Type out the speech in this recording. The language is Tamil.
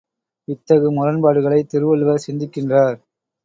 இத்தகு முரண்பாடுகளை திருவள்ளுவர் சிந்திக்கின்றார்!